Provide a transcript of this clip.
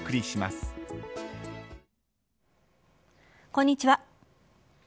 こんにちは。